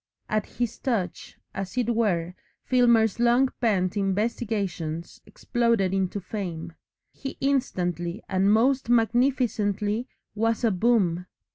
At his touch, as it were, Filmer's long pent investigations exploded into fame. He instantly and most magnificently was a Boom.